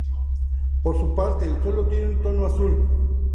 Por su parte, el suelo tiene un tono azul.